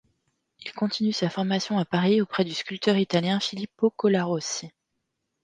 Il continue sa formation à Paris auprès du sculpteur italien Filippo Colarossi.